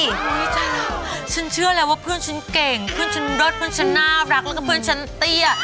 ฉันเชื่อแล้วว่าเพื่อนฉันเก่งเพื่อนฉันเลิศเพื่อนฉันน่ารักแล้วก็เพื่อนฉันเตี้ย